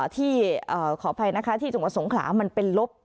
ที่ขออภัยนะคะที่จังหวัดสงขลามันเป็นลบ